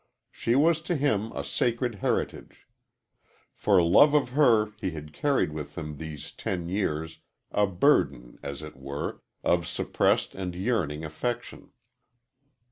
She was to him a sacred heritage. For love of her he had carried with him these ten years a burden, as it were, of suppressed and yearning affection.